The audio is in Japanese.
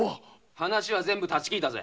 話は全部立ち聞いたぜ。